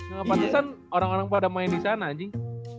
gak patusan orang orang pada main di sana anjing